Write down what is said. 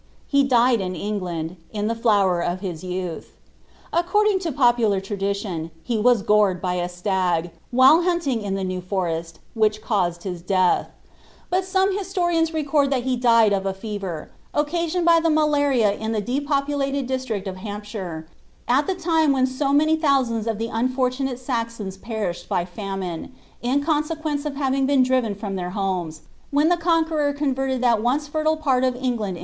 * He died in England, in tlie flower of his youth. Acrorditig Id popular tradition, he was gored by a stag, while hunting in the Nes Forest, which caused his death; bui some hisioriaiiB record thai he died of a fever, occasioned by the mnlaria in the depopulated district of Hamp ehlre, at the time when so many thousands of llic unfonnnate Saxo(t> perished by famine, in consequence of having been drivrn from then tiomcs, when tlie Conqnernr converted that once fertile pan of F.ni^lani!